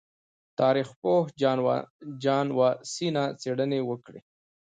تاریخ پوه جان واسینا څېړنې وکړې.